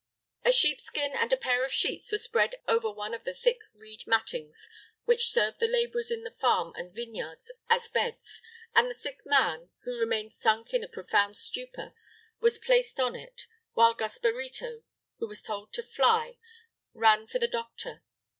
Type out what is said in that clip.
A sheepskin and a pair of sheets were spread over one of the thick reed mattings which serve the laborers in the farms and vineyards as beds, and the sick man, who remained sunk in a profound stupor, was placed on it, while Gasparito, who was told to fly, ran for the doctor.